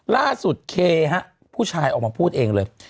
เคฮะผู้ชายออกมาพูดเองเลย